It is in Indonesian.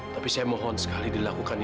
tapi saya mohon sekali dilakukan